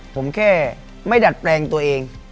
ผมแค่ไม่ดัดแปลงตัวเอง